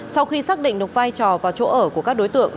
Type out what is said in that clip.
sau khi xác định được vai trò và chỗ ở của các đối tượng